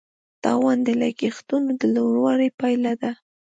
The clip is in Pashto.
تاوان د لګښتونو د لوړوالي پایله ده.